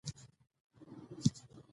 ژمی د افغانستان د جغرافیوي تنوع مثال دی.